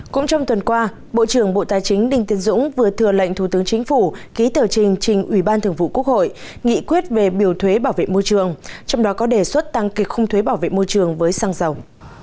cũng trong tuần qua bộ trưởng bộ tài chính đinh tiên dũng vừa thừa lệnh thủ tướng chính phủ ký tờ trình trình ủy ban thường vụ quốc hội nghị quyết về biểu thuế bảo vệ môi trường trong đó có đề xuất tăng kịch khung thuế bảo vệ môi trường với xăng dầu